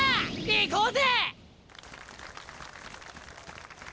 行こうぜ！